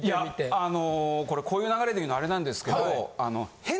あのこれこういう流れで言うのあれなんですけど。